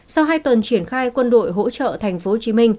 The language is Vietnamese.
sau hai tuần triển khai quân đội hỗ trợ tp hcm